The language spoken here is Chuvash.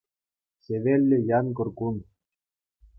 Хӗвеллӗ янкӑр кун.